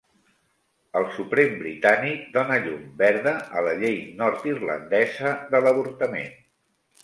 El Suprem britànic dona llum verda a la llei nord-irlandesa de l'avortament